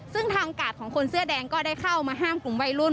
ซึ่งทางกาดของคนเสื้อแดงก็ได้เข้ามาห้ามกลุ่มวัยรุ่น